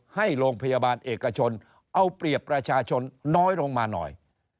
ให้โรงพยาบาลเอกชนเอาเปรียบประชาชนน้อยลงมาหน่อย